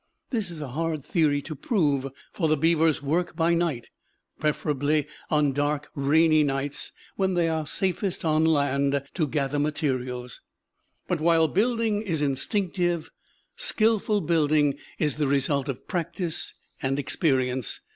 This is a hard theory to prove, for the beavers work by night, preferably on dark, rainy nights, when they are safest on land to gather materials. But while building is instinctive, skilful building is the result of practice and experience.